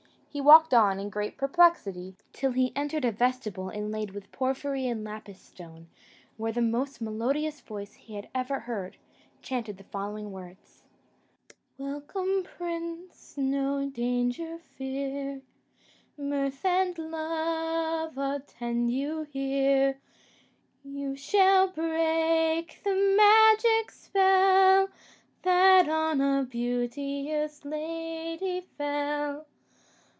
He walked on, in great perplexity, till he entered a vestibule inlaid with porphyry and lapis stone, where the most melodious voice he had ever heard chanted the following words: "Welcome, prince, no danger fear, Mirth and love attend you here; You shall break the magic spell, That on a beauteous lady fell.